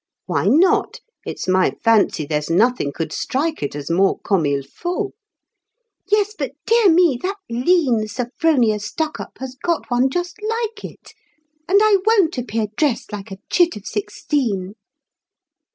"Why not? It's my fancy, there's nothing could strike it As more comme it faut" "Yes, but, dear me, that lean Sophronia Stuckup has got one just like it, And I won't appear dressed like a chit of sixteen."